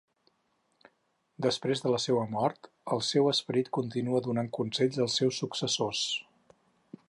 Després de la seua mort, el seu esperit continua donant consells als seus successors.